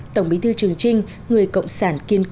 tổng bí thư trường trinh người cộng sản kiên cường